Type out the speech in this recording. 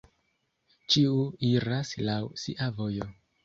Ĉiu iras laŭ sia vojo!